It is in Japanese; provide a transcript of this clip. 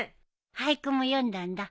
俳句も詠んだんだ。